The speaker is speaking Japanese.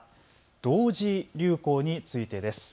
同時流行についてです。